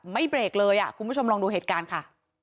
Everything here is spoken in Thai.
เบรกเลยอ่ะคุณผู้ชมลองดูเหตุการณ์ค่ะ